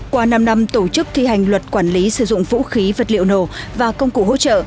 qua năm năm tổ chức thi hành luật quản lý sử dụng vũ khí vật liệu nổ và công cụ hỗ trợ